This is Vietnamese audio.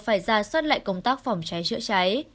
phải ra soát lại công tác phòng cháy chữa cháy